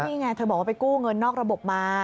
นี่ไงเธอบอกว่าไปกู้เงินนอกระบบมา